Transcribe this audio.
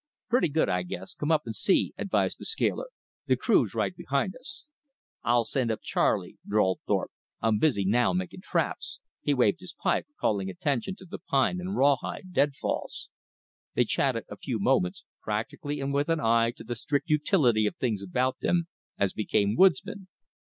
"Pretty good, I guess. Come up and see," advised the scaler. "The crew's right behind us." "I'll send up Charley," drawled Thorpe, "I'm busy now makin' traps," he waved his pipe, calling attention to the pine and rawhide dead falls. They chatted a few moments, practically and with an eye to the strict utility of things about them, as became woodsmen.